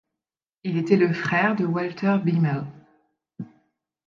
Il était le frère de Walter Biemel.